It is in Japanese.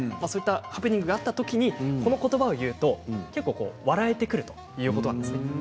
そういうハプニングがあったときにこのことばを言うと結構、笑えてくるということなんですね。